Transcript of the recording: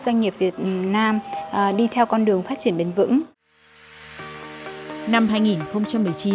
và một chương trình sáng kiến phát triển bền vững ids và chương trình vươn tới đỉnh cao